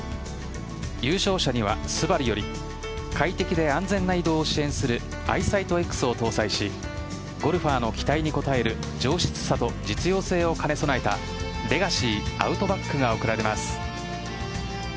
優勝者にはＳＵＢＡＲＵより快適で安全な移動を支援するアイサイトＸを搭載しゴルファーの期待に応える上質さと実用性を兼ね備えたレガシィアウトバックが贈られます。